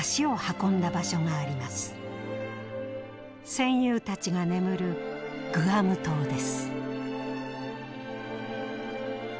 戦友たちが眠るグアム島です。